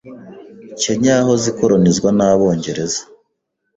Kenya yahoze ikolonizwa n’abongereza.